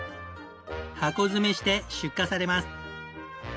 箱詰めして出荷されます。